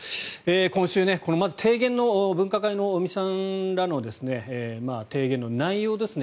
今週、分科会の尾身さんらの提言の内容ですね